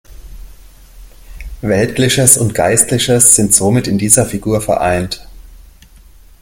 Weltliches und Geistliches sind somit in dieser Figur vereint.